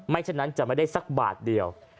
ฉะนั้นจะไม่ได้สักบาทเดียว